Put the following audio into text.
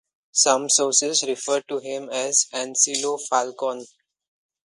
Some sources refer to him as "Ancillo Falcone".